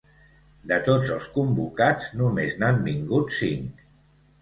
De tots els convocats, només n'han vinguts cinc.